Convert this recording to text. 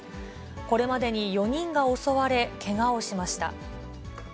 これまでに４人が襲われ、けがをしました。